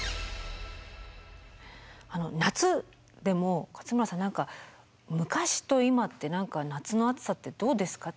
夏でも勝村さん何か昔と今って夏の暑さってどうですか？